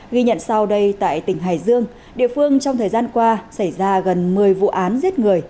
ghi nhận sau đây tại tỉnh hải dương địa phương trong thời gian qua xảy ra gần một mươi vụ án giết người